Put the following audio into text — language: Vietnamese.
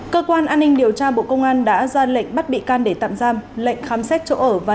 cơ quan an ninh điều tra bộ công an đã ra lệnh bắt bị can để tạm giam lệnh khám xét chỗ ở và